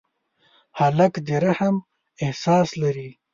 هلک د رحم احساس لري.